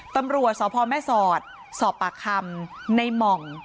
ตำรวจสพแม่สอดสอบปากคำในหม่อง